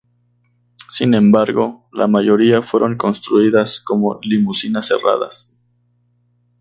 Sin embargo, la mayoría fueron construidas como limusinas cerradas.